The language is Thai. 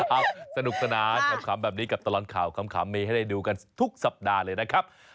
เอ้าสนุกตระหนาฝับขัมแบบนี้กับตลอนข่าวมีให้ดูกันทุกสัปดาห์เลยนะครับ